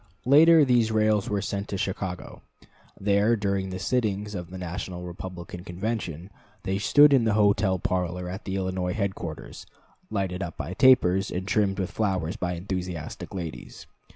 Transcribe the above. Later, these rails were sent to Chicago; there, during the sittings of the National Republican Convention, they stood in the hotel parlor at the Illinois headquarters, lighted up by tapers, and trimmed with flowers by enthusiastic ladies.